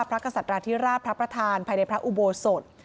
กษัตราธิราชพระประธานภายในพระอุโบสถ